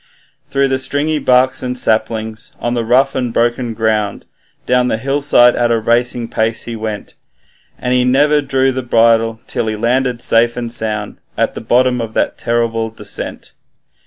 Through the stringy barks and saplings, on the rough and broken ground, Down the hillside at a racing pace he went; And he never drew the bridle till he landed safe and sound, At the bottom of that terrible descent.